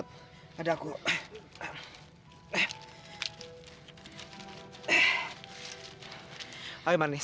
sudah di viver terus